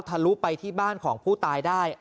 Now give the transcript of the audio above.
ลุไปที่บ้านของผู้ตายได้